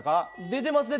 出てます。